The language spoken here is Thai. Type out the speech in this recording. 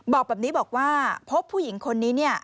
บอกแบบนี้บอกว่าพบผู้หญิงคนนี้เนี่ย